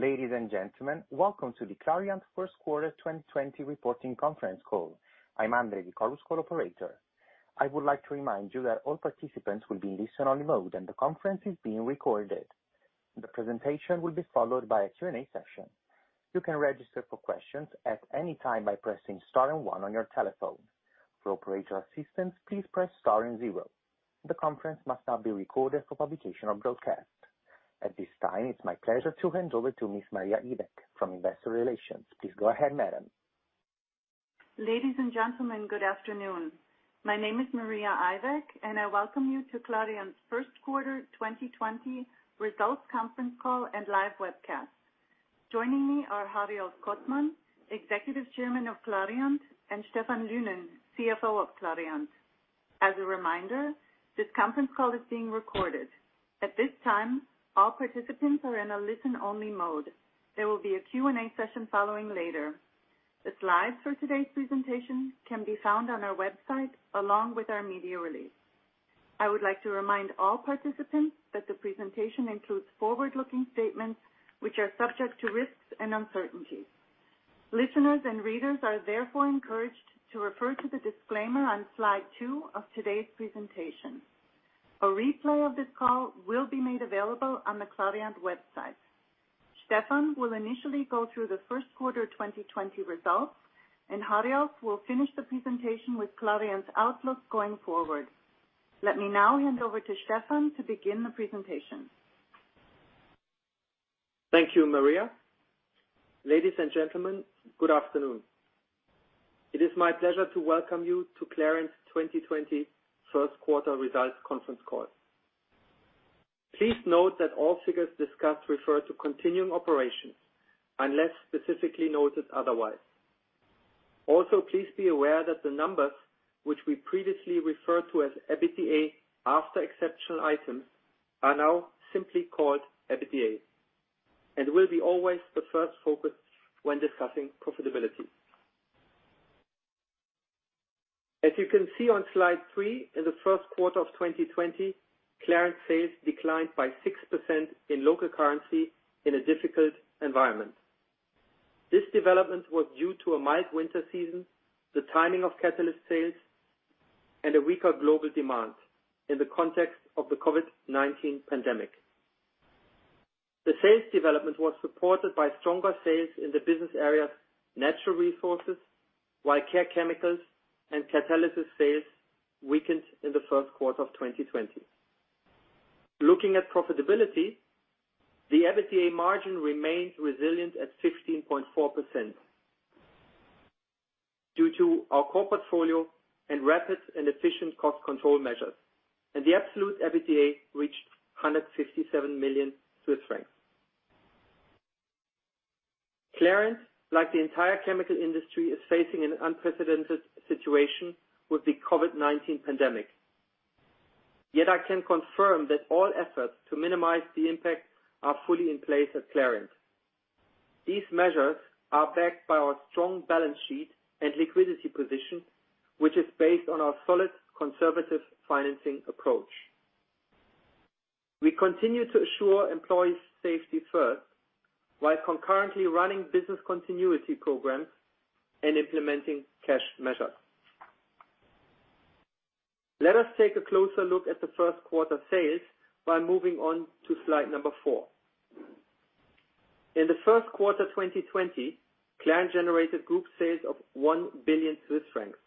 Ladies and gentlemen, welcome to the Clariant first quarter 2020 reporting conference call. I'm Andre, the conference call operator. I would like to remind you that all participants will be in listen-only mode, and the conference is being recorded. The presentation will be followed by a Q&A session. You can register for questions at any time by pressing star and one on your telephone. For operator assistance, please press star and zero. The conference must not be recorded for publication or broadcast. At this time, it's my pleasure to hand over to Ms. Maria Ivek from investor relations. Please go ahead, madam. Ladies and gentlemen, good afternoon. My name is Maria Ivek, and I welcome you to Clariant's first quarter 2020 results conference call and live webcast. Joining me are Hariolf Kottmann, Executive Chairman of Clariant, and Stephan Lynen, CFO of Clariant. As a reminder, this conference call is being recorded. At this time, all participants are in a listen-only mode. There will be a Q&A session following later. The slides for today's presentation can be found on our website along with our media release. I would like to remind all participants that the presentation includes forward-looking statements, which are subject to risks and uncertainties. Listeners and readers are therefore encouraged to refer to the disclaimer on slide two of today's presentation. A replay of this call will be made available on the Clariant website. Stephan will initially go through the first quarter 2020 results, and Hariolf will finish the presentation with Clariant's outlook going forward. Let me now hand over to Stephan to begin the presentation. Thank you, Maria. Ladies and gentlemen, good afternoon. It is my pleasure to welcome you to Clariant's 2020 first quarter results conference call. Please note that all figures discussed refer to continuing operations unless specifically noted otherwise. Also, please be aware that the numbers, which we previously referred to as EBITDA after exceptional items, are now simply called EBITDA and will be always the first focus when discussing profitability. As you can see on slide three, in the first quarter of 2020, Clariant sales declined by 6% in local currency in a difficult environment. This development was due to a mild winter season, the timing of Catalysts sales, and a weaker global demand in the context of the COVID-19 pandemic. The sales development was supported by stronger sales in the business areas Natural Resources, while Care Chemicals and Catalysts sales weakened in the first quarter of 2020. Looking at profitability, the EBITDA margin remains resilient at 15.4% due to our core portfolio and rapid and efficient cost control measures, and the absolute EBITDA reached 157 million Swiss francs. Clariant, like the entire chemical industry, is facing an unprecedented situation with the COVID-19 pandemic. Yet I can confirm that all efforts to minimize the impact are fully in place at Clariant. These measures are backed by our strong balance sheet and liquidity position, which is based on our solid conservative financing approach. We continue to assure employees safety first, while concurrently running business continuity programs and implementing cash measures. Let us take a closer look at the first quarter sales by moving on to slide number four. In the first quarter 2020, Clariant generated group sales of 1 billion Swiss francs.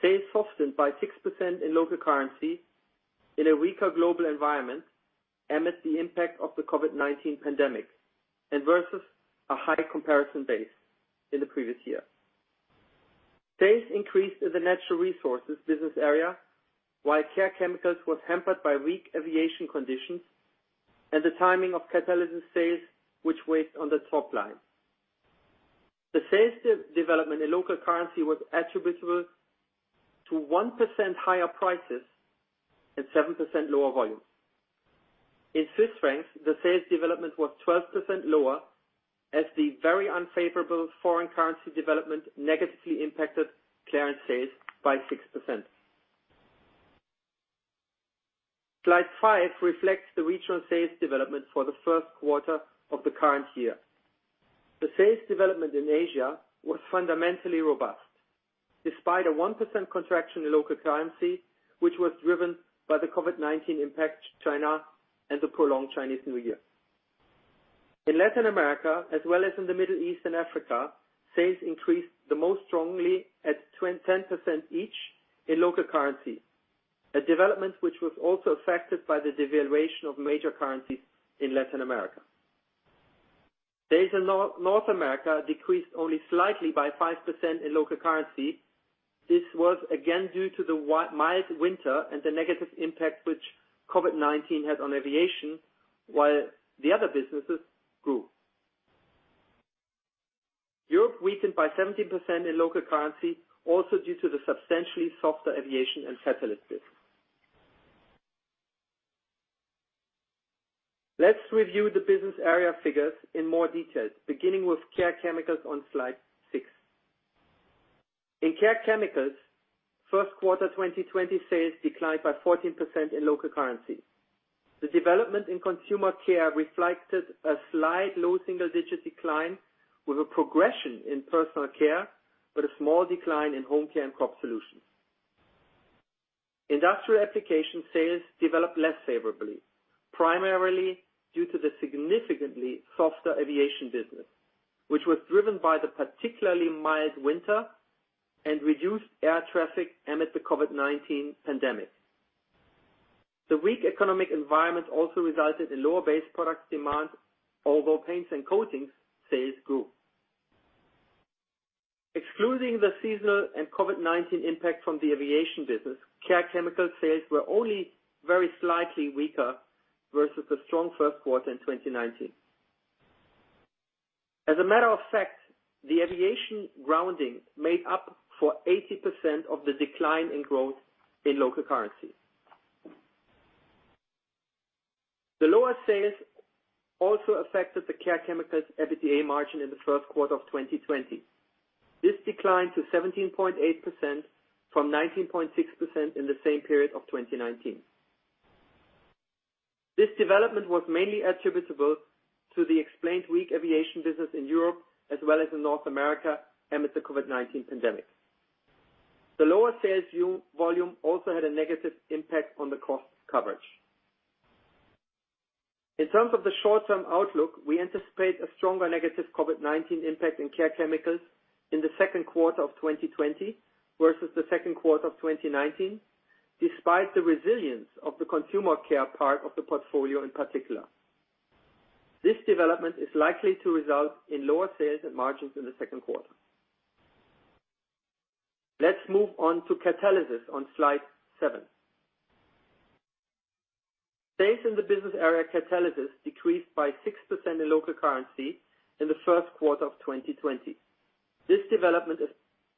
Sales softened by 6% in local currency in a weaker global environment amidst the impact of the COVID-19 pandemic and versus a high comparison base in the previous year. Sales increased in the Natural Resources business area, while Care Chemicals was hampered by weak aviation conditions and the timing of Catalysts sales, which weighed on the top line. The sales development in local currency was attributable to 1% higher prices and 7% lower volumes. In Swiss francs, the sales development was 12% lower as the very unfavorable foreign currency development negatively impacted Clariant sales by 6%. Slide five reflects the regional sales development for the first quarter of the current year. The sales development in Asia was fundamentally robust, despite a 1% contraction in local currency, which was driven by the COVID-19 impact to China and the prolonged Chinese New Year. In Latin America, as well as in the Middle East and Africa, sales increased the most strongly at 10% each in local currency, a development which was also affected by the devaluation of major currencies in Latin America. Sales in North America decreased only slightly by 5% in local currency. This was again due to the mild winter and the negative impact which COVID-19 had on aviation, while the other businesses grew. Europe weakened by 17% in local currency, also due to the substantially softer aviation and Catalysts business. Let's review the business area figures in more detail, beginning with Care Chemicals on slide six. In Care Chemicals, first quarter 2020 sales declined by 14% in local currency. The development in consumer care reflected a slight low single-digit decline with a progression in Personal Care, but a small decline in Home Care and Crop Solutions. Industrial application sales developed less favorably, primarily due to the significantly softer aviation business, which was driven by the particularly mild winter and reduced air traffic amid the COVID-19 pandemic. The weak economic environment also resulted in lower base product demand, although paints and coatings sales grew. Excluding the seasonal and COVID-19 impact from the aviation business, Care Chemicals sales were only very slightly weaker versus the strong first quarter in 2019. As a matter of fact, the aviation grounding made up for 80% of the decline in growth in local currency. The lower sales also affected the Care Chemicals EBITDA margin in the first quarter of 2020. This declined to 17.8% from 19.6% in the same period of 2019. This development was mainly attributable to the explained weak aviation business in Europe as well as in North America amid the COVID-19 pandemic. The lower sales volume also had a negative impact on the cost coverage. In terms of the short-term outlook, we anticipate a stronger negative COVID-19 impact in Care Chemicals in the second quarter of 2020 versus the second quarter of 2019, despite the resilience of the consumer care part of the portfolio in particular. This development is likely to result in lower sales and margins in the second quarter. Let's move on to Catalysts on slide seven. Sales in the business area Catalysts decreased by 6% in local currency in the first quarter of 2020. This development is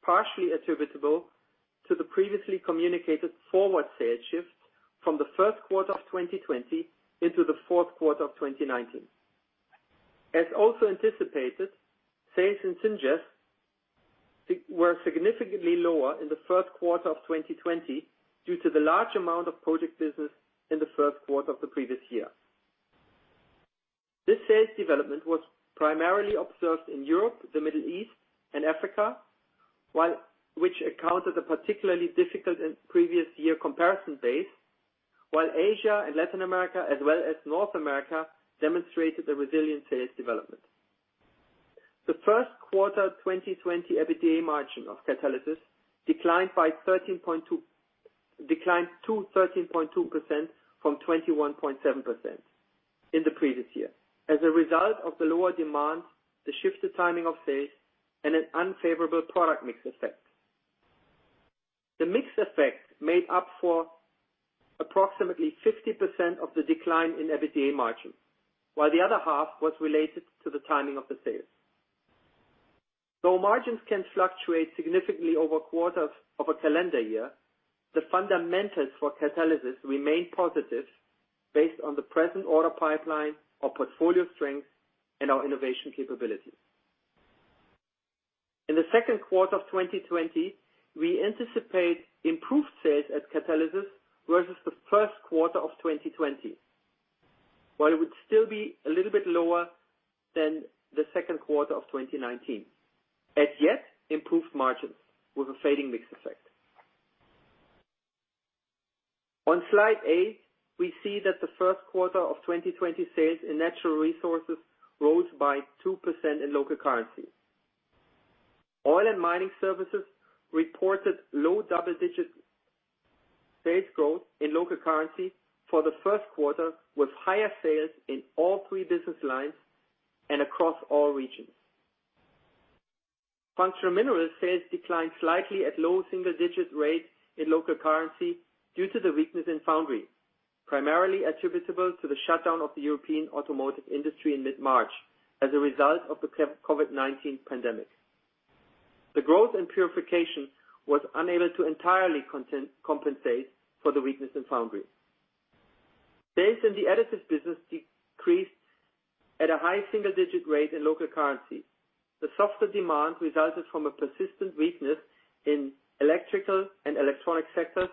partially attributable to the previously communicated forward sales shift from the first quarter of 2020 into the fourth quarter of 2019. As also anticipated, sales in Syngas were significantly lower in the first quarter of 2020 due to the large amount of project business in the first quarter of the previous year. This sales development was primarily observed in Europe, the Middle East, and Africa, which accounted a particularly difficult and previous year comparison base, while Asia and Latin America, as well as North America, demonstrated a resilient sales development. The first quarter 2020 EBITDA margin of Catalysts declined to 13.2% from 21.7% in the previous year as a result of the lower demand, the shifted timing of sales, and an unfavorable product mix effect. The mix effect made up for approximately 50% of the decline in EBITDA margin, while the other half was related to the timing of the sales. Margins can fluctuate significantly over quarters of a calendar year, the fundamentals for Catalysts remain positive based on the present order pipeline, our portfolio strength, and our innovation capabilities. In the second quarter of 2020, we anticipate improved sales at Catalysts versus the first quarter of 2020. While it would still be a little bit lower than the second quarter of 2019. As yet, improved margins with a fading mix effect. On slide eight, we see that the first quarter of 2020 sales in Natural Resources rose by 2% in local currency. Oil and Mining Services reported low double-digit sales growth in local currency for the first quarter, with higher sales in all three business lines and across all regions. Functional Minerals sales declined slightly at low single-digit rate in local currency due to the weakness in foundry, primarily attributable to the shutdown of the European automotive industry in mid-March as a result of the COVID-19 pandemic. The growth in purification was unable to entirely compensate for the weakness in foundry. Sales in the Additives business decreased at a high single-digit rate in local currency. The softer demand resulted from a persistent weakness in electrical and electronic sectors,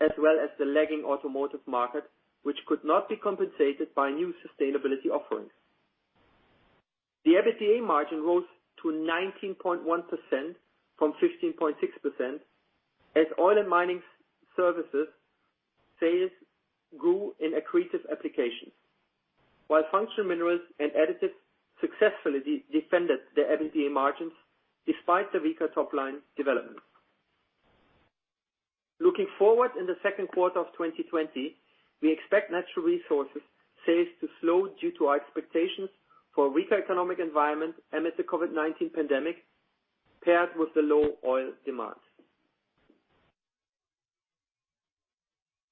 as well as the lagging automotive market, which could not be compensated by new sustainability offerings. The EBITDA margin rose to 19.1% from 15.6% as Oil and Mining Services sales grew in accretive applications, while Functional Minerals and Additives successfully defended their EBITDA margins despite the weaker top-line development. Looking forward in the second quarter of 2020, we expect Natural Resources sales to slow due to our expectations for a weaker economic environment amid the COVID-19 pandemic, paired with the low oil demands.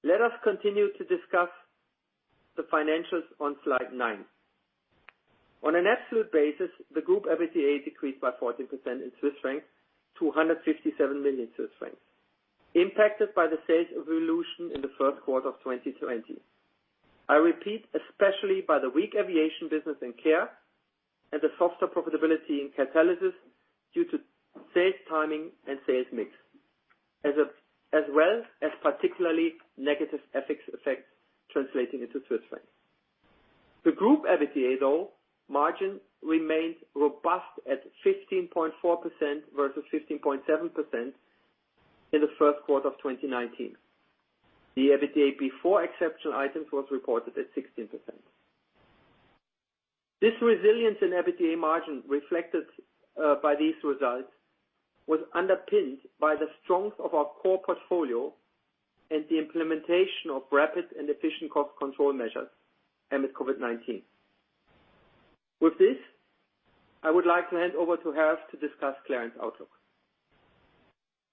Let us continue to discuss the financials on slide nine. On an absolute basis, the group EBITDA decreased by 14% in CHF to 157 million Swiss francs, impacted by the sales evolution in the first quarter of 2020. I repeat, especially by the weak aviation business in Care and the softer profitability in Catalysts due to sales timing and sales mix, as well as particularly negative FX effects translating into CHF. The Group EBITDA margin remained robust at 15.4% versus 15.7% in the first quarter of 2019. The EBITDA before exceptional items was reported at 16%. This resilience in EBITDA margin reflected by these results was underpinned by the strength of our core portfolio and the implementation of rapid and efficient cost control measures amid COVID-19. With this, I would like to hand over to Hariolf to discuss Clariant outlook.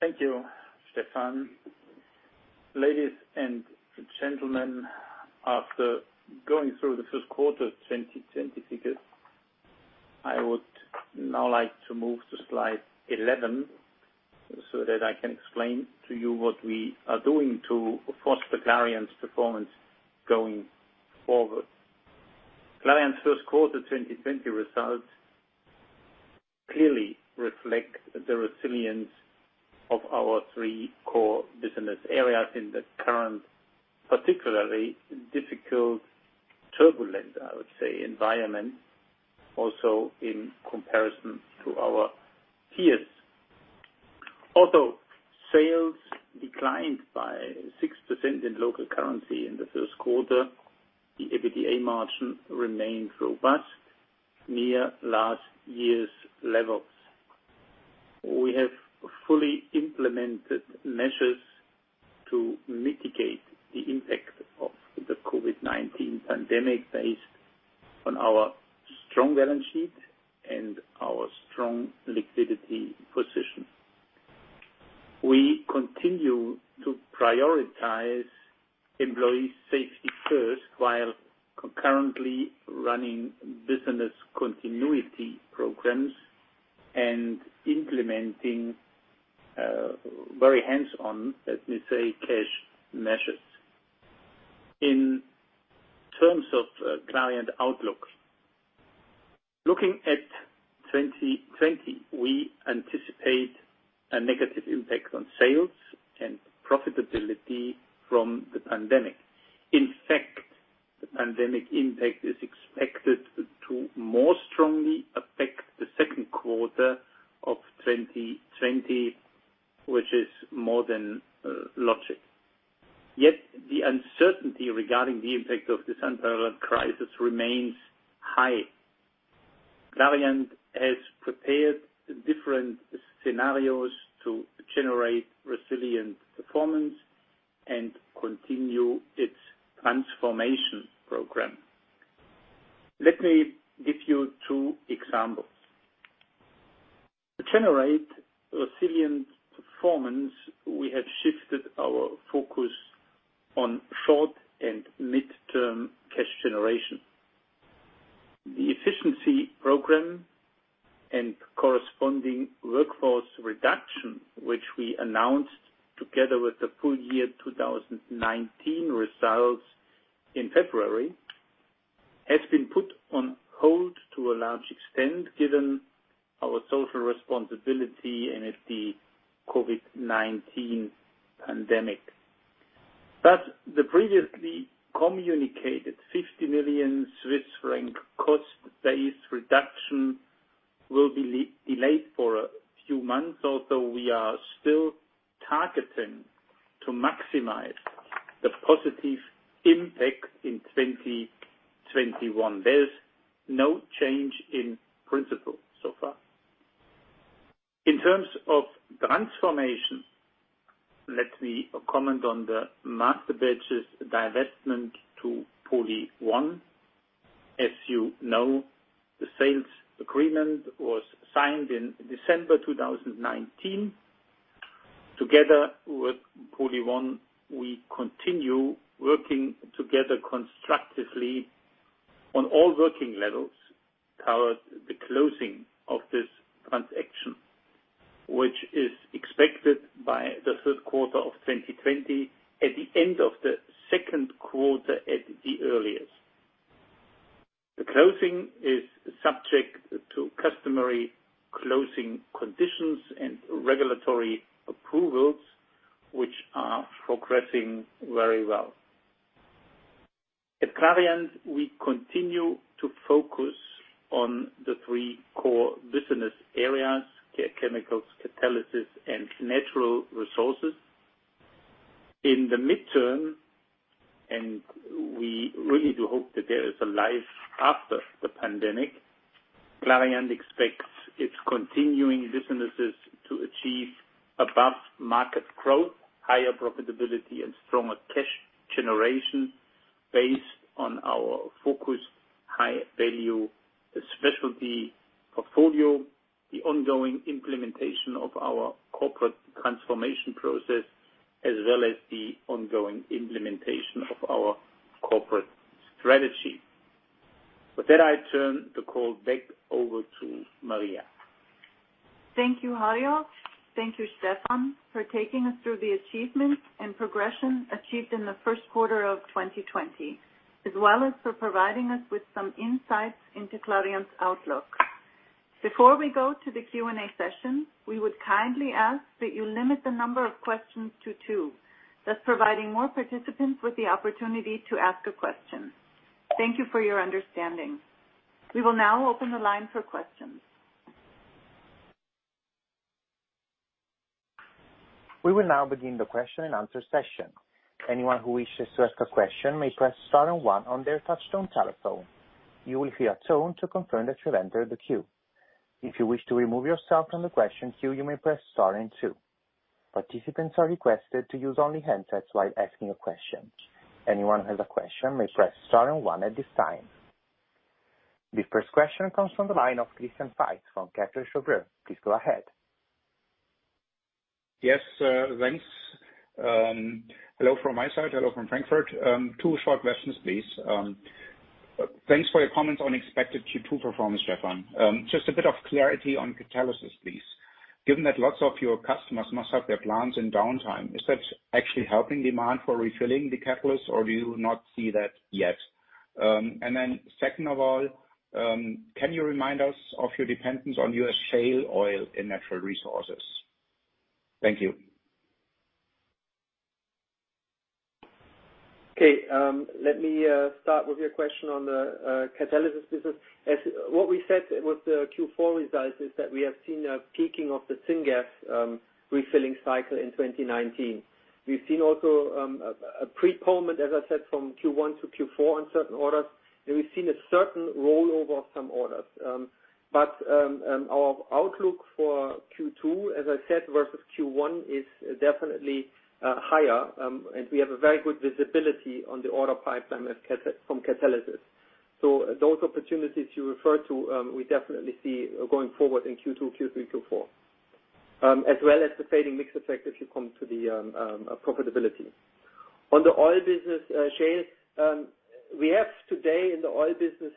Thank you, Stephan. Ladies and gentlemen, after going through the first quarter 2020 figures, I would now like to move to slide 11 so that I can explain to you what we are doing to foster Clariant's performance going forward. Clariant first quarter 2020 results clearly reflect the resilience of our three core business areas in the current, particularly difficult, turbulent, I would say, environment, also in comparison to our peers. Although sales declined by 6% in local currency in the first quarter, the EBITDA margin remained robust, near last year's levels. We have fully implemented measures to mitigate the impact of the COVID-19 pandemic based on our strong balance sheet and our strong liquidity position. We continue to prioritize employee safety first while concurrently running business continuity programs and implementing very hands-on, let me say, cash measures. In terms of Clariant outlook, looking at 2020, we anticipate a negative impact on sales and profitability from the pandemic. In fact, the pandemic impact is expected to more strongly affect the second quarter of 2020, which is more than logic. The uncertainty regarding the impact of this unparalleled crisis remains high. Clariant has prepared different scenarios to generate resilient performance and continue its transformation program. Let me give you two examples. To generate resilient performance, we have shifted our focus on short and mid-term cash generation. The efficiency program and corresponding workforce reduction, which we announced together with the full year 2019 results in February, has been put on hold to a large extent given our social responsibility and the COVID-19 pandemic. The previously communicated CHF 50 million cost base reduction will be delayed for a few months, although we are still targeting to maximize the positive impact in 2021. There's no change in principle so far. In terms of transformation, let me comment on the Masterbatches divestment to PolyOne. As you know, the sales agreement was signed in December 2019. Together with PolyOne, we continue working together constructively on all working levels towards the closing of this transaction, which is expected by the third quarter of 2020, at the end of the second quarter at the earliest. The closing is subject to customary closing conditions and regulatory approvals, which are progressing very well. At Clariant, we continue to focus on the three core business areas: Care Chemicals, Catalysts, and Natural Resources. In the mid-term, and we really do hope that there is a life after the pandemic, Clariant expects its continuing businesses to achieve above market growth, higher profitability, and stronger cash generation based on our focused high-value specialty portfolio, the ongoing implementation of our corporate transformation process, as well as the ongoing implementation of our corporate strategy. With that, I turn the call back over to Maria. Thank you, Hariolf. Thank you, Stephan, for taking us through the achievements and progression achieved in the first quarter of 2020, as well as for providing us with some insights into Clariant's outlook. Before we go to the Q&A session, we would kindly ask that you limit the number of questions to two, thus providing more participants with the opportunity to ask a question. Thank you for your understanding. We will now open the line for questions. We will now begin the question and answer session. Anyone who wishes to ask a question may press star and one on their touch-tone telephone. You will hear a tone to confirm that you have entered the queue. If you wish to remove yourself from the question queue, you may press star and two. Participants are requested to use only handsets while asking a question. Anyone who has a question may press star and one at this time. The first question comes from the line of Christian Faitz from. Please go ahead. Yes. Thanks. Hello from my side. Hello from Frankfurt. Two short questions, please. Thanks for your comments on expected Q2 performance, Stephan. Just a bit of clarity on Catalysts, please. Given that lots of your customers must have their plants in downtime, is that actually helping demand for refilling the Catalysts, or do you not see that yet? Second of all, can you remind us of your dependence on U.S. shale Oil and Natural Resources? Thank you. Let me start with your question on the Catalysts business. As what we said with the Q4 results is that we have seen a peaking of the Syngas refilling cycle in 2019. We've seen also a postponement, as I said, from Q1 to Q4 on certain orders, and we've seen a certain rollover of some orders. Our outlook for Q2, as I said, versus Q1 is definitely higher, and we have a very good visibility on the order pipeline from Catalysts. Those opportunities you referred to, we definitely see going forward in Q2, Q3, Q4, as well as the fading mix effect if you come to the profitability. On the Oil business, shale, we have today in the Oil business,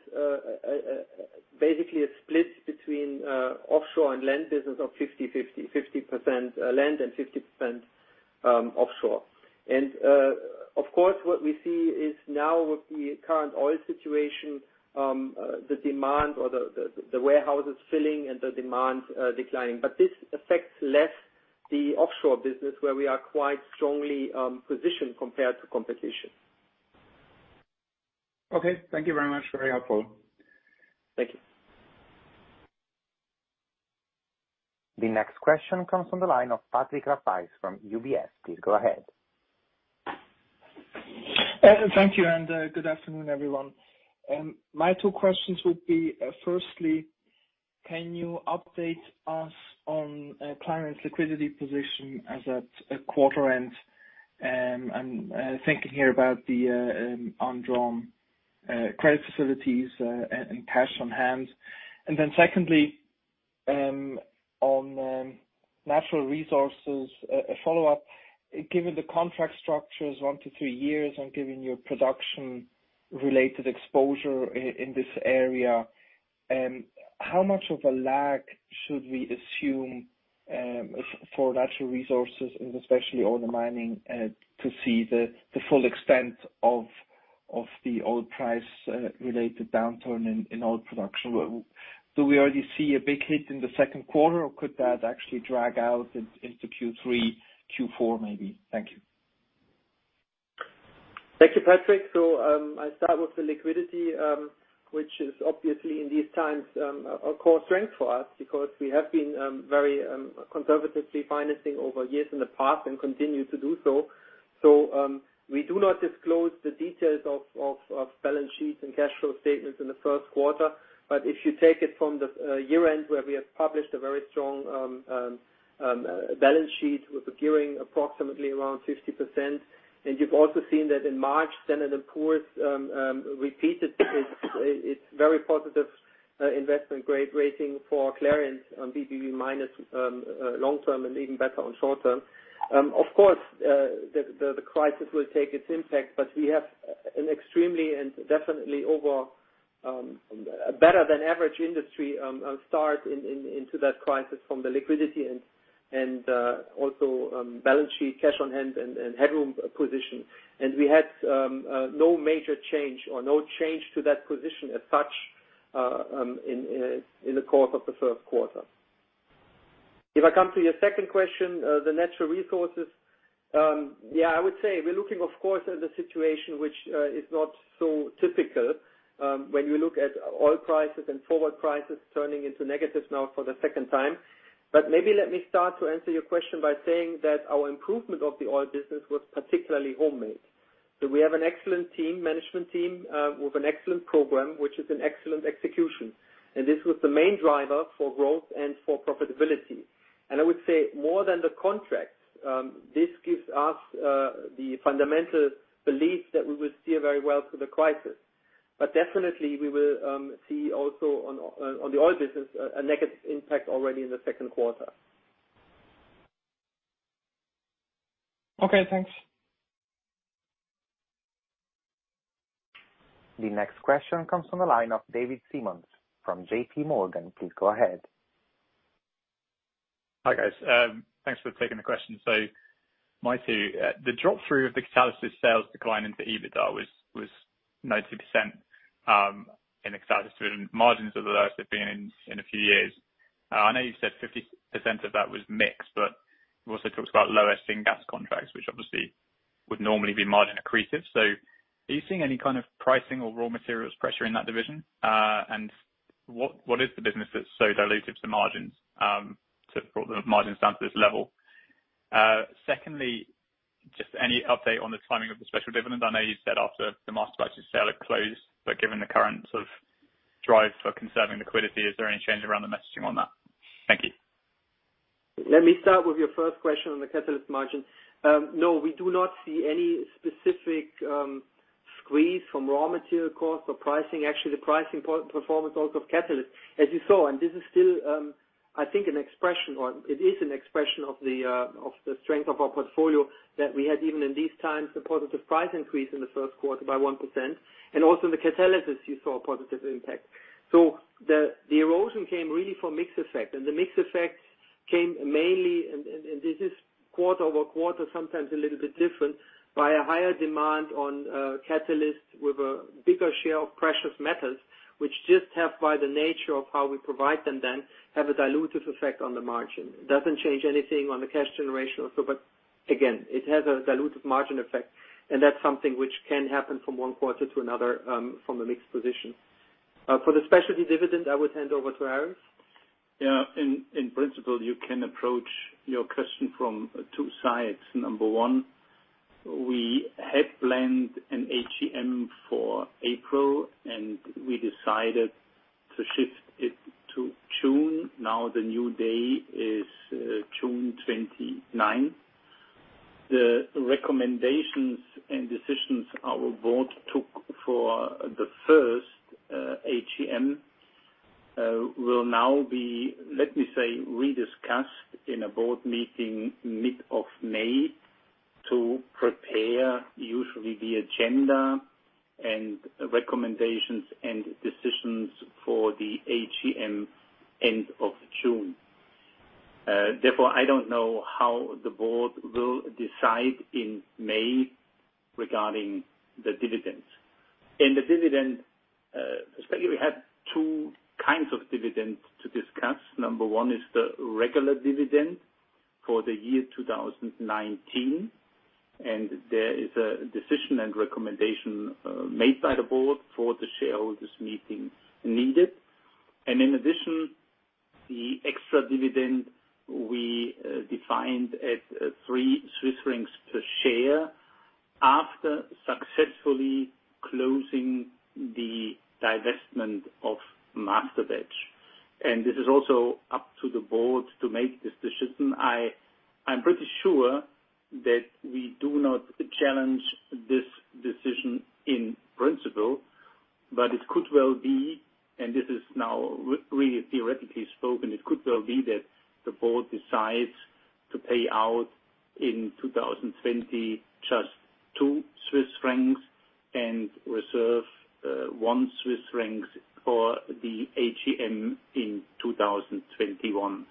basically a split between offshore and land business of 50/50. 50% land and 50% offshore. Of course, what we see is now with the current oil situation, the demand or the warehouses filling and the demand declining. This affects less the offshore business where we are quite strongly positioned compared to competition. Okay. Thank you very much. Very helpful. Thank you. The next question comes from the line of Patrick Rafaisz from UBS. Please go ahead. Thank you. Good afternoon, everyone. My two questions would be, firstly, can you update us on Clariant's liquidity position as at quarter end? I'm thinking here about the undrawn credit facilities, and cash on hand. Secondly, on Natural Resources, a follow-up. Given the contract structures, one to three years, and given your production-related exposure in this area, how much of a lag should we assume for Natural Resources and especially Oil Mining to see the full extent of the oil price-related downturn in oil production? Do we already see a big hit in the second quarter, or could that actually drag out into Q3, Q4 maybe? Thank you. Thank you, Patrick. I start with the liquidity, which is obviously in these times, a core strength for us because we have been very conservatively financing over years in the past and continue to do so. We do not disclose the details of balance sheets and cash flow statements in the first quarter. If you take it from the year-end where we have published a very strong balance sheet with a gearing approximately around 50%. You've also seen that in March, Standard & Poor's repeated its very positive investment-grade rating for Clariant on BBB- long-term and even better on short-term. Of course, the crisis will take its impact, but we have an extremely and definitely better than average industry start into that crisis from the liquidity and also balance sheet, cash on hand, and headroom position. We had no major change or no change to that position as such in the course of the first quarter. If I come to your second question, the Natural Resources. Yeah, I would say we're looking, of course, at a situation which is not so typical, when you look at oil prices and forward prices turning into negative now for the second time. Maybe let me start to answer your question by saying that our improvement of the Oil business was particularly homemade. We have an excellent team, management team, with an excellent program, which is an excellent execution. This was the main driver for growth and for profitability. I would say more than the contracts, this gives us the fundamental belief that we will steer very well through the crisis. Definitely, we will see also on the Oil business, a negative impact already in the second quarter. Okay, thanks. The next question comes from the line of [David Simmons] from JPMorgan. Please go ahead. Hi, guys. Thanks for taking the question. The drop-through of the Catalysts sales decline into EBITDA was 90% in Additives margins are the lowest they've been in a few years. I know you said 50% of that was mixed, but we also talked about lower gas contracts, which obviously would normally be margin accretive. Are you seeing any kind of pricing or raw materials pressure in that division? What is the business that's so dilutive to margins to bring the margins down to this level? Secondly, just any update on the timing of the special dividend. I know you said after the Masterbatch sale had closed, but given the current drive for conserving liquidity, is there any change around the messaging on that? Thank you. Let me start with your first question on the Catalysts margin. No, we do not see any specific squeeze from raw material costs or pricing. Actually, the pricing performance also of Catalysts, as you saw, and this is still, I think, an expression or it is an expression of the strength of our portfolio that we had, even in these times, a positive price increase in the first quarter by 1%. Also in the Catalysts, you saw a positive impact. The erosion came really from mix effect, and the mix effect came mainly, and this is quarter-over-quarter, sometimes a little bit different by a higher demand on Catalysts with a bigger share of precious metals, which just have by the nature of how we provide them then, have a dilutive effect on the margin. It doesn't change anything on the cash generation. Again, it has a dilutive margin effect, and that's something which can happen from one quarter to another, from a mixed position. For the specialty dividend, I would hand over to Hariolf. Yeah. In principle, you can approach your question from two sides. Number one, we had planned an AGM for April, and we decided to shift it to June. Now the new day is June 29th. The recommendations and decisions our board took for the first AGM, will now be, let me say, rediscussed in a board meeting mid of May to prepare usually the agenda and recommendations and decisions for the AGM end of June. I don't know how the board will decide in May regarding the dividends. In the dividend, especially, we have two kinds of dividends to discuss. Number one is the regular dividend for the year 2019, there is a decision and recommendation made by the board for the shareholders' meeting needed. In addition, the extra dividend we defined at 3 Swiss francs per share after successfully closing the divestment of Masterbatches. This is also up to the board to make this decision. I'm pretty sure that we do not challenge this decision in principle, but it could well be, and this is now really theoretically spoken, it could well be that the board decides to pay out in 2020 just 2 Swiss francs and reserve 1 Swiss francs for the AGM in 2021.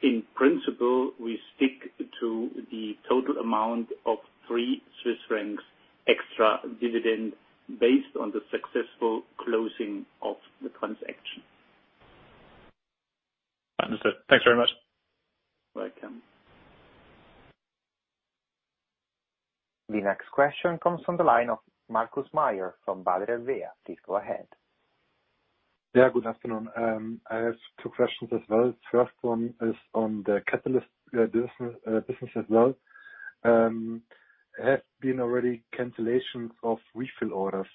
In principle, we stick to the total amount of 3 Swiss francs extra dividend based on the successful closing of the transaction. Understood. Thanks very much. Welcome. The next question comes from the line of Markus Mayer from Baader Helvea. Please go ahead. Yeah, good afternoon. I have two questions as well. First one is on the Catalysts business as well. Have been already cancellations of refill orders.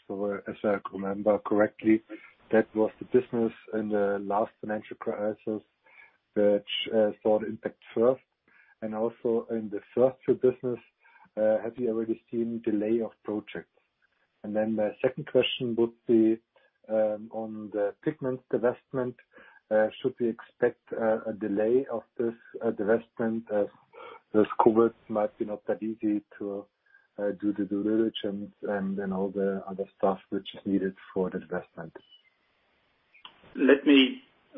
As I remember correctly, that was the Catalysts business in the last financial crisis which saw the impact first. Also in the first two business, have you already seen delay of projects? The second question would be on the Pigments divestment. Should we expect a delay of this divestment as this COVID might be not that easy to do the due diligence and then all the other stuff which is needed for the divestment?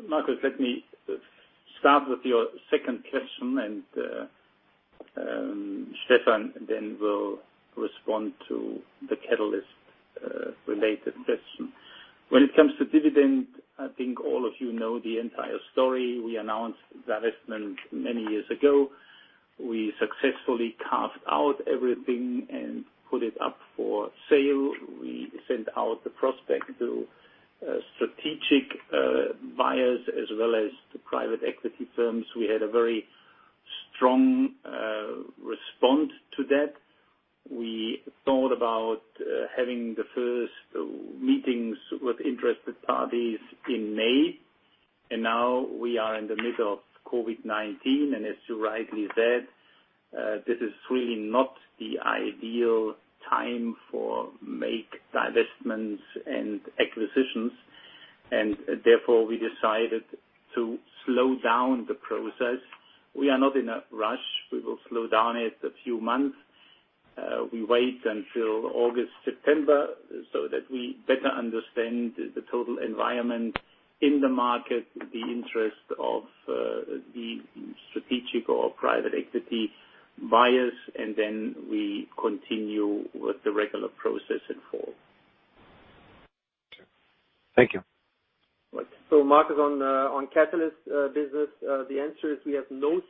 Markus, let me start with your second question, and Stephan then will respond to the Catalysts-related question. When it comes to dividend, I think all of you know the entire story. We announced divestment many years ago. We successfully carved out everything and put it up for sale. We sent out the prospect to strategic buyers as well as to private equity firms. We had a very strong response to that. We thought about having the first meetings with interested parties in May, and now we are in the middle of COVID-19, and as you rightly said, this is really not the ideal time for make divestments and acquisitions. Therefore, we decided to slow down the process. We are not in a rush. We will slow down it a few months. We wait until August, September, so that we better understand the total environment in the market, the interest of the strategic or private equity buyers, and then we continue with the regular process in fall. Okay. Thank you. Right. Markus, on Catalysts business, the answer is we have not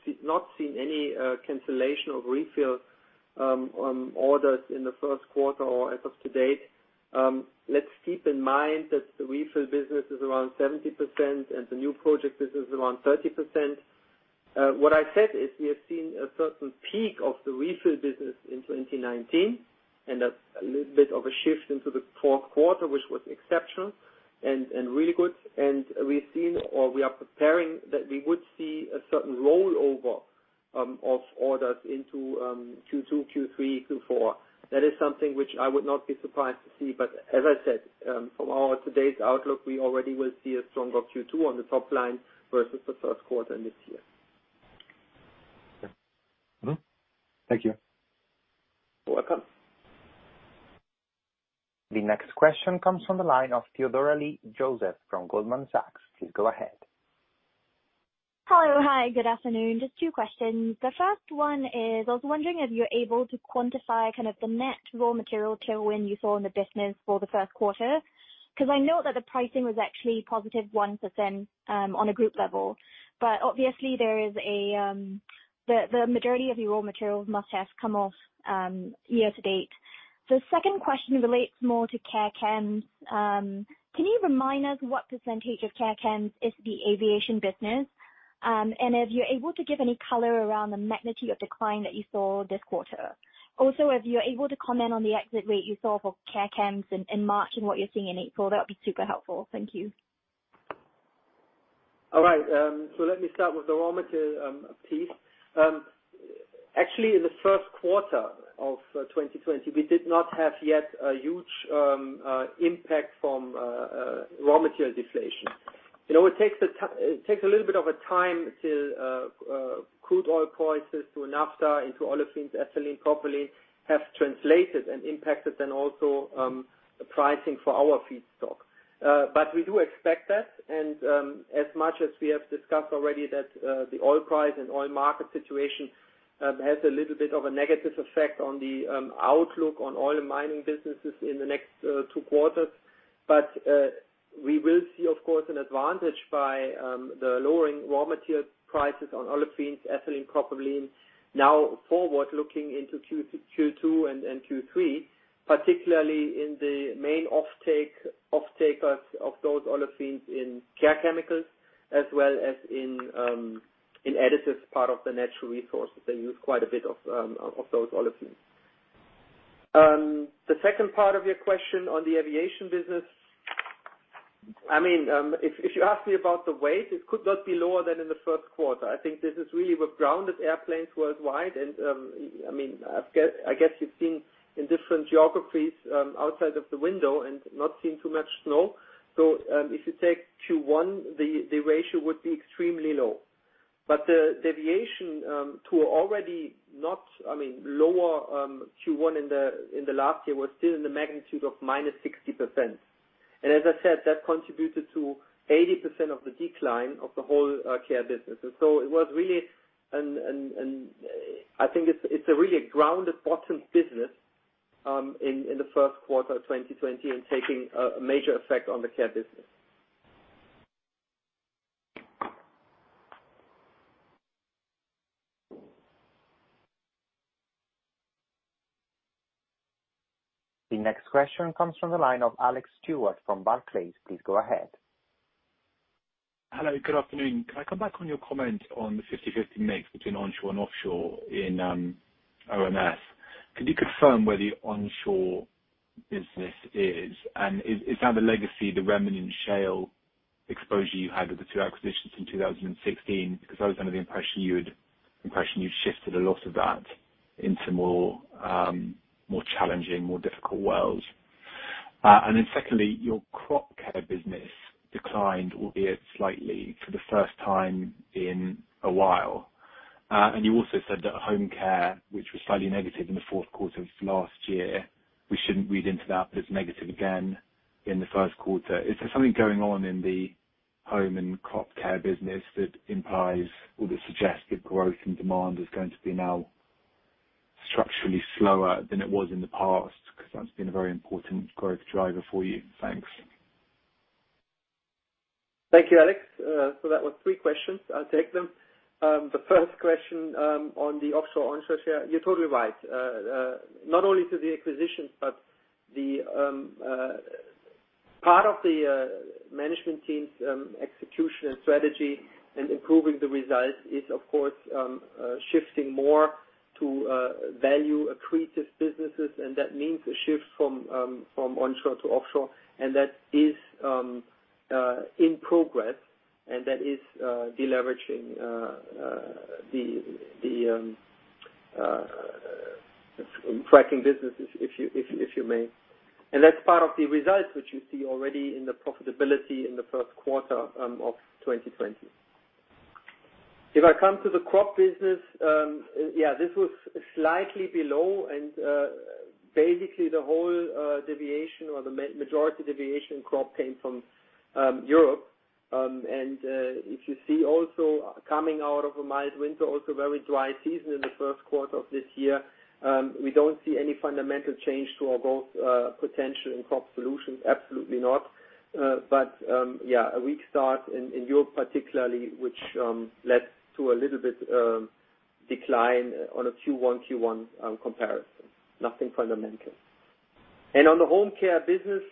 seen any cancellation of refill on orders in the first quarter or as of to date. Let's keep in mind that the refill business is around 70% and the new project business is around 30%. What I said is we have seen a certain peak of the refill business in 2019, and a little bit of a shift into the fourth quarter, which was exceptional and really good. We are preparing that we would see a certain rollover of orders into Q2, Q3, Q4. That is something which I would not be surprised to see, but as I said, from our today's outlook, we already will see a stronger Q2 on the top line versus the first quarter this year. Okay. Mm-hmm. Thank you. You're welcome. The next question comes from the line of Theodora Lee Joseph from Goldman Sachs. Please go ahead. Hello. Hi, good afternoon. Just two questions. The first one is, I was wondering if you're able to quantify kind of the net raw material tailwind you saw in the business for the first quarter, because I know that the pricing was actually positive 1% on a group level, but obviously, the majority of your raw materials must have come off year to date. The second question relates more to Care Chem. Can you remind us what percentage of Care Chem is the aviation business? If you're able to give any color around the magnitude of decline that you saw this quarter. If you're able to comment on the exit rate you saw for Care Chem in March and what you're seeing in April, that would be super helpful. Thank you. All right. Let me start with the raw material piece. Actually, in the first quarter of 2020, we did not have yet a huge impact from raw material deflation. It takes a little bit of a time till crude oil prices to naphtha into olefins, ethylene, propylene have translated and impacted and also the pricing for our feedstock. We do expect that, and, as much as we have discussed already that the oil price and oil market situation has a little bit of a negative effect on the outlook on Oil and Mining businesses in the next two quarters. We will see, of course, an advantage by the lowering raw material prices on olefins, ethylene, propylene now forward looking into Q2 and Q3, particularly in the main off-takers of those olefins in Care Chemicals as well as in Additives part of the Natural Resources. They use quite a bit of those olefins. The second part of your question on the aviation business. If you ask me about the weight, it could not be lower than in the first quarter. I think this is really with grounded airplanes worldwide and I guess you've seen in different geographies, outside of the window and not seen too much snow. If you take Q1, the ratio would be extremely low. The deviation to already lower Q1 in the last year was still in the magnitude of -60%. As I said, that contributed to 80% of the decline of the whole Care business. I think it's a really grounded bottom business in the first quarter 2020 and taking a major effect on the Care business. The next question comes from the line of Alex Stewart from Barclays. Please go ahead. Hello, good afternoon. Can I come back on your comment on the 50/50 mix between onshore and offshore in OMS? Could you confirm where the onshore business is? Is that the legacy, the remnant in shale exposure you had with the two acquisitions in 2016? I was under the impression you'd shifted a lot of that into more challenging, more difficult worlds. Secondly, your Crop Care business declined, albeit slightly, for the first time in a while. You also said that Home Care, which was slightly negative in the fourth quarter of last year, we shouldn't read into that, but it's negative again in the first quarter. Is there something going on in the Home and Crop Care business that implies or that suggests that growth and demand is going to be now structurally slower than it was in the past? That's been a very important growth driver for you. Thanks. Thank you, Alex. That was three questions. I'll take them. The first question on the offshore, onshore. You're totally right. Not only to the acquisitions, but part of the management team's execution and strategy and improving the results is, of course, shifting more to value accretive businesses, and that means a shift from onshore to offshore, and that is in progress, and that is deleveraging the tracking business, if you may. That's part of the results which you see already in the profitability in the first quarter of 2020. If I come to the Crop business, yeah, this was slightly below, and basically the whole deviation or the majority deviation Crop came from Europe. If you see also coming out of a mild winter, also very dry season in the first quarter of this year. We don't see any fundamental change to our growth potential in Crop Solutions, absolutely not. Yeah, a weak start in Europe particularly, which led to a little bit decline on a Q1 comparison, nothing fundamental. On the Home Care business,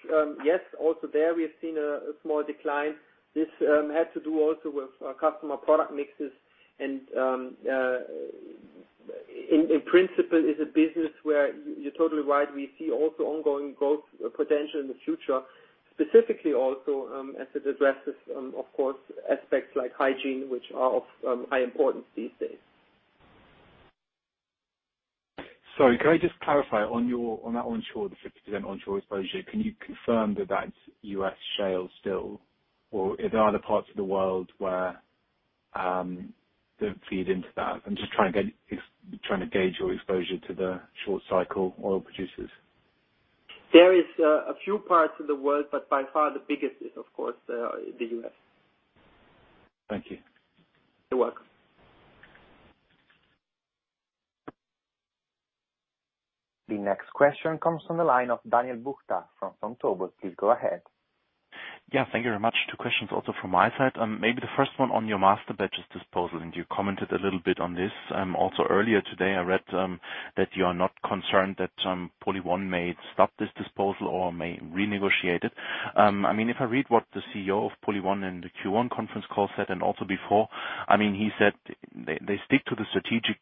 yes, also there we have seen a small decline. This had to do also with our customer product mixes and, in principle, is a business where you're totally right. We see also ongoing growth potential in the future, specifically also as it addresses, of course, aspects like hygiene, which are of high importance these days. Sorry, can I just clarify on that onshore, the 50% onshore exposure, can you confirm that that's U.S. shale still? Are there other parts of the world where that feed into that? I'm just trying to gauge your exposure to the short cycle oil producers. There is a few parts of the world, but by far the biggest is, of course, the U.S. Thank you. You're welcome. The next question comes from the line of Daniel Buchta from Vontobel. Please go ahead. Yeah. Thank you very much. Two questions also from my side. Maybe the first one on your Masterbatches disposal, and you commented a little bit on this. Also earlier today, I read that you are not concerned that PolyOne may stop this disposal or may renegotiate it. If I read what the CEO of PolyOne in the Q1 conference call said, and also before, he said they stick to the strategic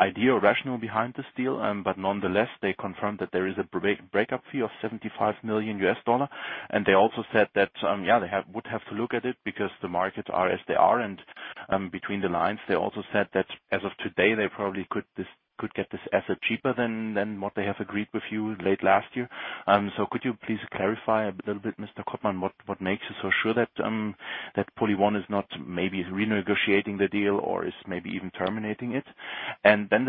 idea or rationale behind this deal. Nonetheless, they confirmed that there is a breakup fee of $75 million. They also said that, yeah, they would have to look at it because the markets are as they are. Between the lines, they also said that as of today, they probably could get this asset cheaper than what they have agreed with you late last year. Could you please clarify a little bit, Mr. Kottmann, what makes you so sure that PolyOne is not maybe renegotiating the deal or is maybe even terminating it?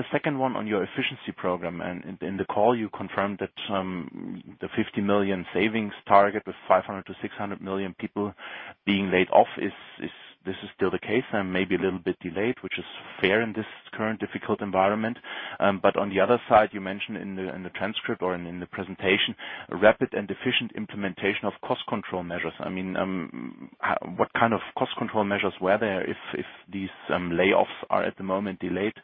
The second one on your efficiency program. In the call you confirmed that the 50 million savings target with 500 million-600 million people being laid off, this is still the case and maybe a little bit delayed, which is fair in this current difficult environment. On the other side, you mentioned in the transcript or in the presentation, rapid and efficient implementation of cost control measures. What kind of cost control measures were there if these layoffs are at the moment delayed?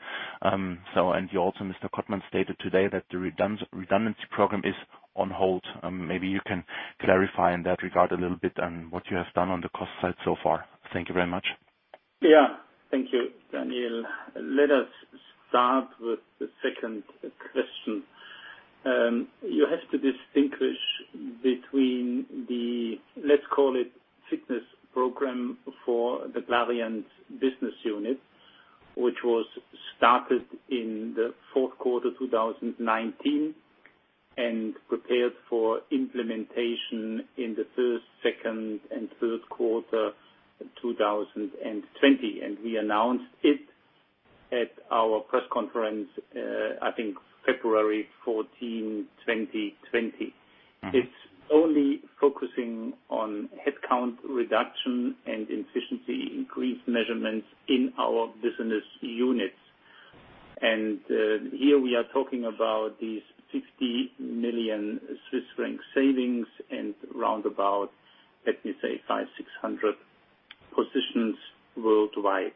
You also, Mr. Kottmann, stated today that the redundancy program is on hold. Maybe you can clarify in that regard a little bit on what you have done on the cost side so far. Thank you very much. Yeah. Thank you, Daniel. Let us start with the second question. You have to distinguish between the, let's call it fitness program for the Clariant business unit, which was started in the fourth quarter 2019 and prepared for implementation in the first, second, and third quarter 2020. We announced it at our press conference, I think February 14, 2020. It's only focusing on headcount reduction and efficiency increase measurements in our business units. Here we are talking about these 50 million Swiss franc savings and round about, let me say 500-600 positions worldwide.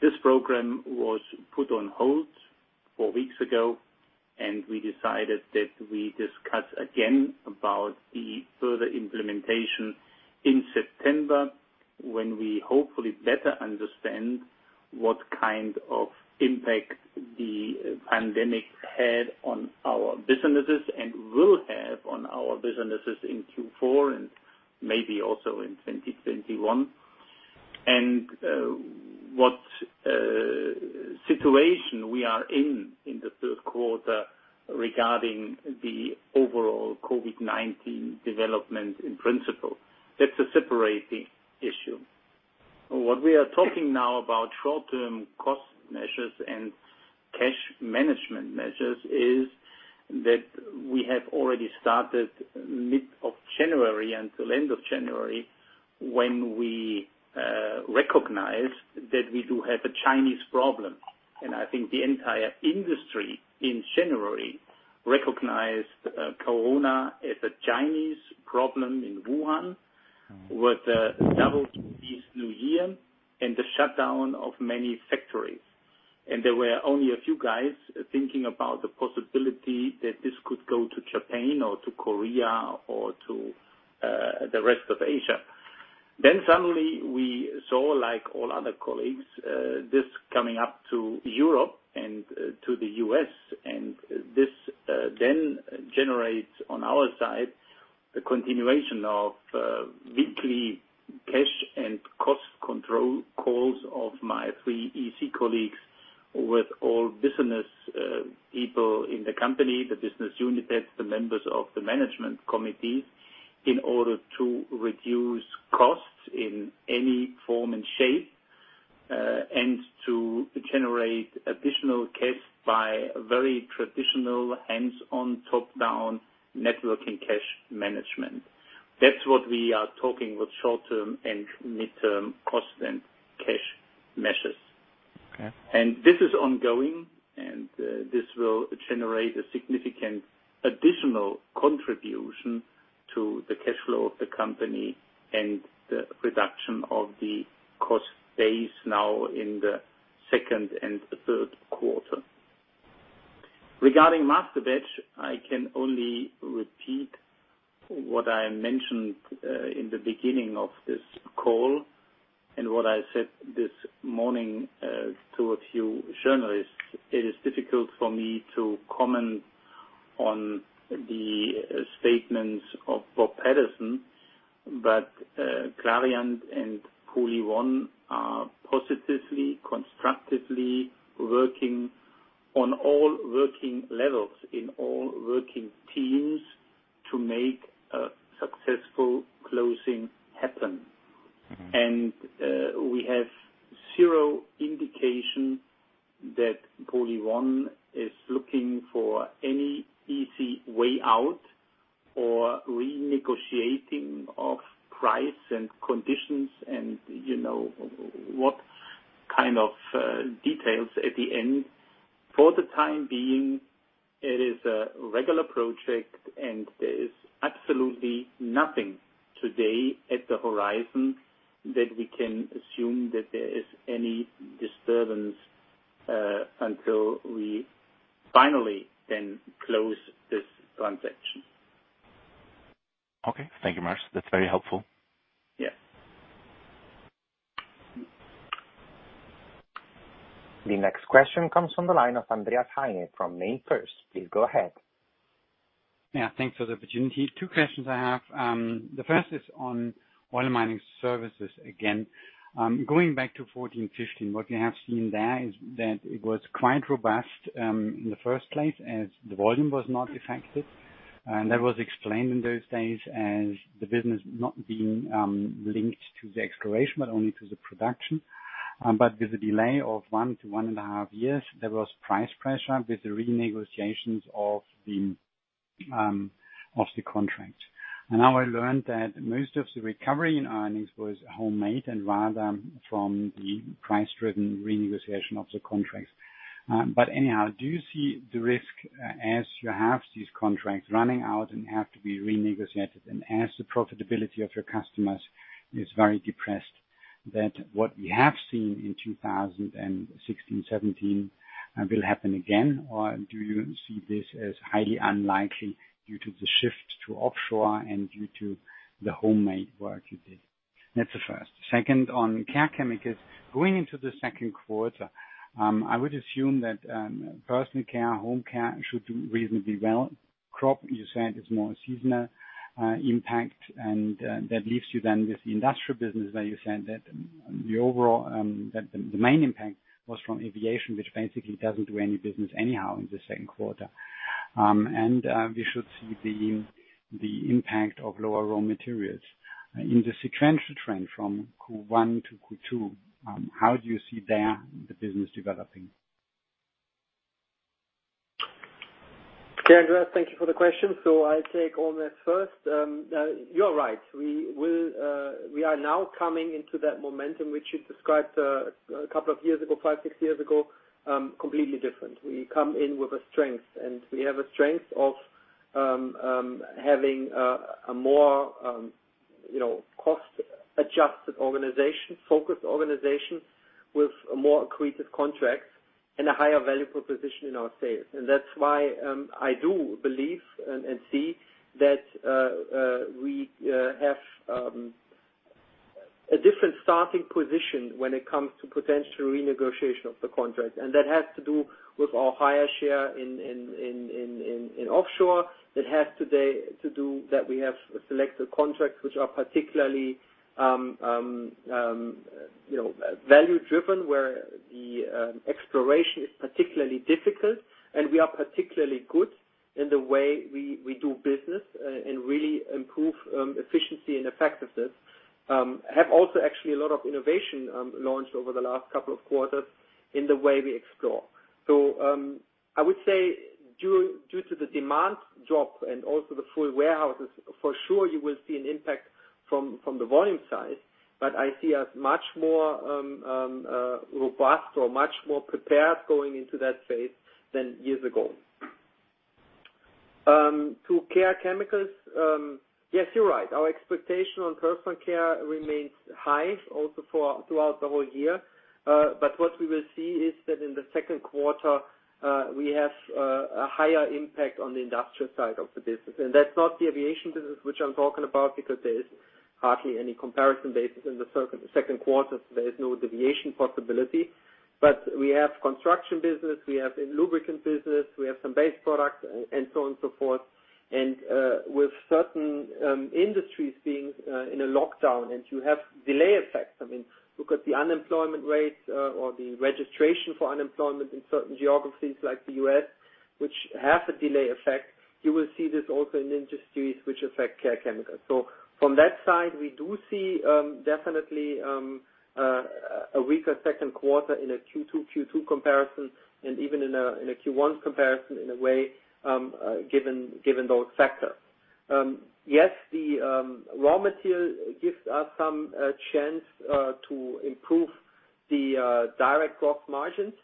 This program was put on hold four weeks ago, and we decided that we discuss again about the further implementation in September when we hopefully better understand what kind of impact the pandemic had on our businesses and will have on our businesses in Q4 and maybe also in 2021. What situation we are in the third quarter regarding the overall COVID-19 development in principle. That's a separating issue. What we are talking now about short-term cost measures and cash management measures is that we have already started mid of January until end of January when we recognized that we do have a Chinese problem. I think the entire industry in January recognized Corona as a Chinese problem in Wuhan with the double Chinese New Year and the shutdown of many factories. There were only a few guys thinking about the possibility that this could go to Japan or to Korea or to the rest of Asia. Suddenly we saw, like all other colleagues, this coming up to Europe and to the U.S. and this then generates on our side, a continuation of weekly cash and cost control calls of my three EC colleagues with all business people in the company, the business unit heads, the members of the management committee in order to reduce costs in any form and shape, and to generate additional cash by very traditional hands-on top-down networking cash management. That's what we are talking with short-term and mid-term cost and cash measures. Okay. This is ongoing, and this will generate a significant additional contribution to the cash flow of the company and the reduction of the cost base now in the second and third quarter. Regarding Masterbatches, I can only repeat what I mentioned in the beginning of this call and what I said this morning to a few journalists. It is difficult for me to comment on the statements of Bob Patel, but Clariant and PolyOne are positively, constructively working on all working levels in all working teams to make a successful closing happen. We have zero indication that PolyOne is looking for any easy way out or renegotiating of price and conditions and what kind of details at the end. For the time being, it is a regular project, and there is absolutely nothing today at the horizon that we can assume that there is any disturbance until we finally then close this transaction. Okay. Thank you, Markus. That's very helpful. Yeah. The next question comes from the line of Andreas Heine from MainFirst. Please go ahead. Yeah. Thanks for the opportunity. Two questions I have. The first is on Oil and Mining Services again. Going back to 2014, 2015, what you have seen there is that it was quite robust, in the first place as the volume was not affected. That was explained in those days as the business not being linked to the exploration but only to the production. With the delay of one to 1.5 years, there was price pressure with the renegotiations of the contract. Now I learned that most of the recovery in earnings was homemade and rather from the price-driven renegotiation of the contracts. Anyhow, do you see the risk as you have these contracts running out and have to be renegotiated and as the profitability of your customers is very depressed, that what we have seen in 2016, 2017 will happen again? Do you see this as highly unlikely due to the shift to offshore and due to the homemade work you did? That's the first. Second, on Care Chemicals. Going into the second quarter, I would assume that Personal Care, Home Care should do reasonably well. Crop, you said, is more a seasonal impact, and that leaves you then with the industrial business where you said that the main impact was from aviation, which basically doesn't do any business anyhow in the second quarter. We should see the impact of lower raw materials. In the sequential trend from Q1 to Q2, how do you see there the business developing? Okay, Andreas, thank you for the question. I take on that first. You're right. We are now coming into that momentum, which you described a couple of years ago, five, six years ago, completely different. We come in with a strength, and we have a strength of having a more cost-adjusted organization, focused organization with more accretive contracts and a higher value proposition in our sales. That's why I do believe and see that we have a different starting position when it comes to potential renegotiation of the contract. That has to do with our higher share in offshore. It has to do that we have selected contracts which are particularly value-driven, where the exploration is particularly difficult and we are particularly good in the way we do business and really improve efficiency and effectiveness. Have also actually a lot of innovation launched over the last couple of quarters in the way we explore. I would say due to the demand drop and also the full warehouses, for sure you will see an impact from the volume side. I see us much more robust or much more prepared going into that phase than years ago. To Care Chemicals, yes, you're right. Our expectation on Personal Care remains high also throughout the whole year. What we will see is that in the second quarter we have a higher impact on the industrial side of the business. That's not the aviation business, which I'm talking about, because there is hardly any comparison basis in the second quarter. There is no deviation possibility. We have construction business, we have a lubricant business, we have some base products, and so on and so forth. With certain industries being in a lockdown and you have delay effects. I mean, look at the unemployment rates or the registration for unemployment in certain geographies like the U.S., which has a delay effect. You will see this also in industries which affect Care Chemicals. From that side, we do see definitely a weaker second quarter in a Q2-Q2 comparison and even in a Q1 comparison, in a way, given those factors. Yes, the raw material gives us some chance to improve the direct cost margins.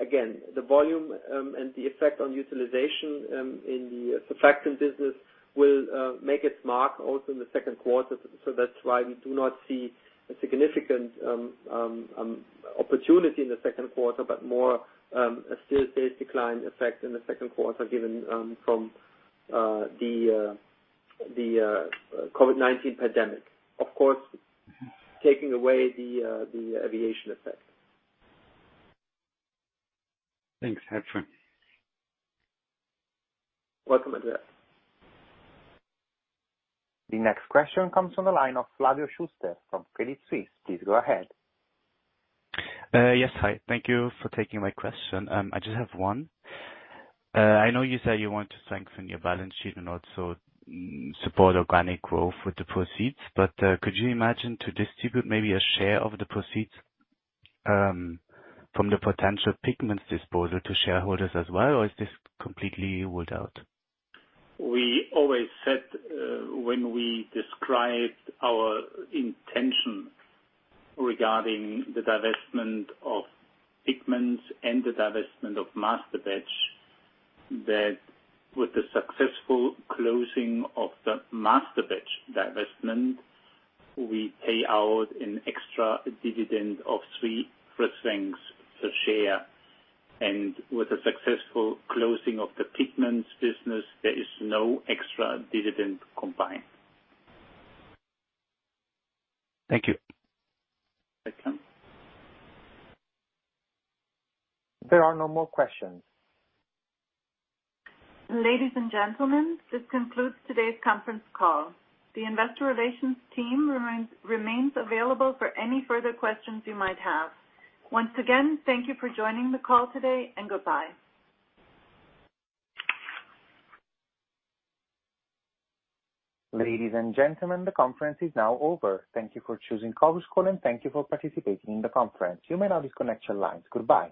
Again, the volume and the effect on utilization in the surfactant business will make its mark also in the second quarter. That's why we do not see a significant opportunity in the second quarter, but more a sales-based decline effect in the second quarter, given from the COVID-19 pandemic. Of course, taking away the aviation effect. Thanks, Stephan. Welcome, Andreas. The next question comes from the line of [Flavio Schultheiss] from Credit Suisse. Please go ahead. Yes. Hi. Thank you for taking my question. I just have one. I know you say you want to strengthen your balance sheet and also support organic growth with the proceeds. Could you imagine to distribute maybe a share of the proceeds from the potential Pigments disposal to shareholders as well, or is this completely ruled out? We always said when we described our intention regarding the divestment of Pigments and the divestment of Masterbatch, that with the successful closing of the Masterbatch divestment, we pay out an extra dividend of 3 francs per share. With the successful closing of the Pigments business, there is no extra dividend combined. Thank you. Welcome. There are no more questions. Ladies and gentlemen, this concludes today's conference call. The investor relations team remains available for any further questions you might have. Once again, thank you for joining the call today, and goodbye. Ladies and gentlemen, the conference is now over. Thank you for choosing Clariant, and thank you for participating in the conference. You may now disconnect your lines. Goodbye.